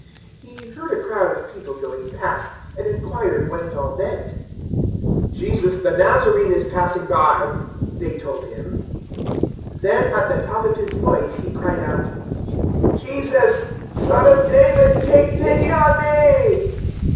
018:036 He heard a crowd of people going past, and inquired what it all meant. 018:037 "Jesus the Nazarene is passing by," they told him. 018:038 Then, at the top of his voice, he cried out, "Jesus, son of David, take pity on me."